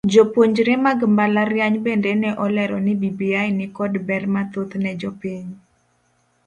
Jopuonjre mag mbalariany bende ne olero ni bbi nikod ber mathoth ne jopiny.